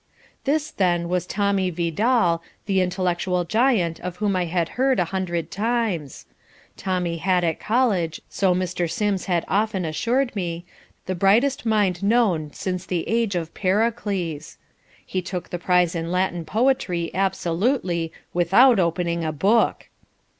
This then was Tommy Vidal, the intellectual giant of whom I had heard a hundred times. Tommy had, at college, so Mr. Sims had often assured me, the brightest mind known since the age of Pericles. He took the prize in Latin poetry absolutely "without opening a book."